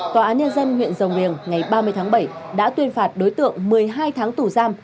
tòa án nhân dân huyện rồng riềng ngày ba mươi tháng bảy đã tuyên phạt đối tượng một mươi hai tháng tù giam